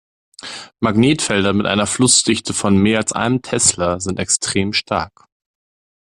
Magnetfelder mit einer Flussdichte von mehr als einem Tesla sind extrem stark.